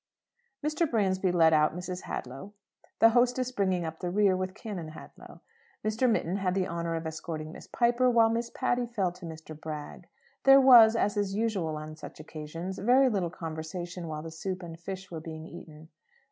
Mr. Bransby led out Mrs. Hadlow, the hostess bringing up the rear with Canon Hadlow. Major Mitton had the honour of escorting Miss Piper, while Miss Patty fell to Mr. Bragg. There was, as is usual on such occasions, very little conversation while the soup and fish were being eaten.